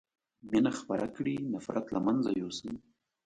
مينه خپره کړي نفرت له منځه يوسئ